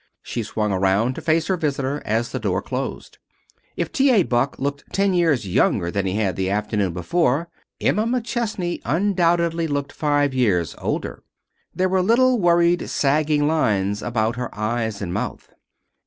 She swung around to face her visitor as the door closed. If T. A. Buck looked ten years younger than he had the afternoon before, Emma McChesney undoubtedly looked five years older. There were little, worried, sagging lines about her eyes and mouth.